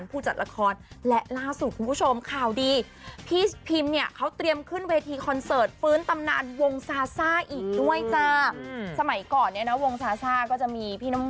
เพราะว่าพี่ทิ้งก็สวยสดใสแต่อีกสองคนก็สวยสดใสเหมือนกัน